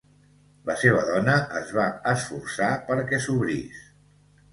La seva dona es va esforçar perquè s'obrís.